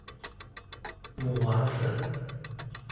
母王氏。